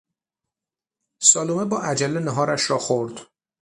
سالومه با عجله نهارش را خورد.